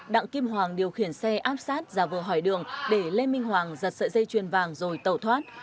đặng kim hoàng điều khiển xe áp sát ra vừa hỏi đường để lê minh hoàng giật sợi dây chuyền vàng rồi tẩu thoát